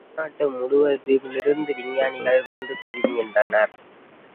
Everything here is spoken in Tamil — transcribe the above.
தமிழ்நாடு முழுவதிலுமிருந்து விஞ்ஞானிகள் வந்து குவிகின்றனர்.